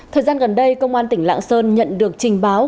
thời gian gần đây công an tỉnh lạng sơn nhận được trình báo